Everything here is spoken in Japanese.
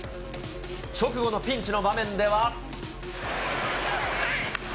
直後のピンチの場面では。